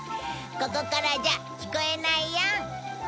ここからじゃ聞こえないよ。